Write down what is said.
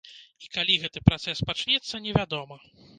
І калі гэты працэс пачнецца, невядома.